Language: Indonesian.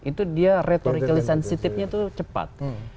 itu dia retoricall sensitifnya itu cepat